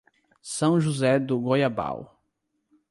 São José do Goiabal